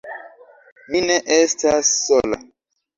Mi ne estas sola.